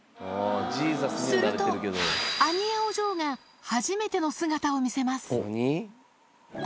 すると、アニヤお嬢が、初めての姿を見せます。